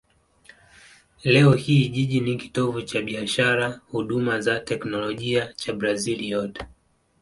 Leo hii jiji ni kitovu cha biashara, huduma na teknolojia cha Brazil yote.